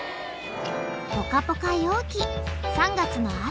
［ポカポカ陽気３月の朝］